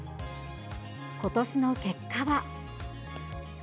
ことしの結果は。